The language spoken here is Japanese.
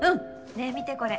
ねぇ見てこれ。